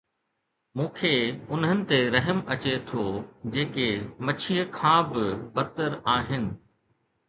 مون کي انهن تي رحم اچي ٿو، جيڪي مڇيءَ کان به بدتر آهن